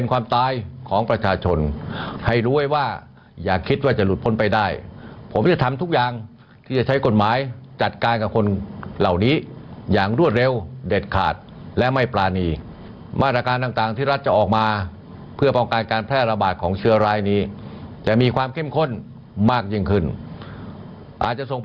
วันนี้เนื้อถังไดจำมาภัยฝ่ายประซับเข็มข้นพหัวหน้าท่านพ๖๔